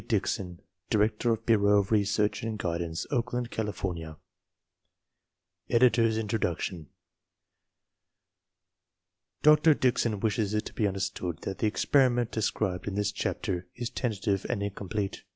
Dickson, Director of Bureau of Research and Guidance, Oakland, California Editor's Introduction Dr. Dickson wishes it to be understood that the experiment de scribed in this chapter is tentative and incomplete.